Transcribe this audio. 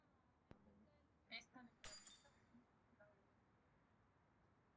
Ésta le pregunta: "¿Estás enamorado de alguien, Hiroki?